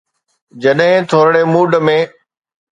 جڏهن ٿورڙي موڊ ۾.